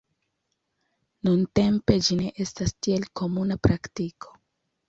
Nuntempe ĝi ne estas tiel komuna praktiko.